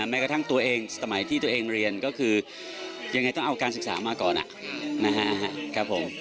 แม้กระทั่งตัวเองสมัยที่ตัวเองเรียนก็คือยังไงต้องเอาการศึกษามาก่อนนะครับผม